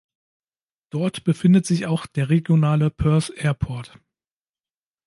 Dort befindet sich auch der regionale Perth Airport.